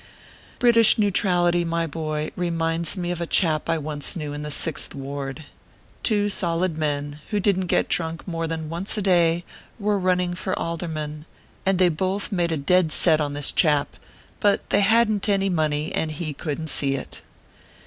British neutrality, my boy ; reminds me of a chap I orico knew in the Sixth Ward. Two solid men, who didn t get drunk more than once a day, were running for alderman, and they both made a dead set on this chap ; but they hadn t any money, and he couldn t see it.